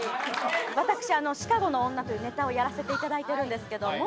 わたくし「シカゴの女」というネタをやらせていただいてるんですけども。